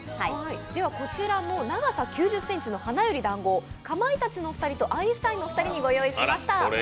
こちらの長さ９０ｃｍの花より団子、かまいたちのお二人とアインシュタインのお二人にご用意しました。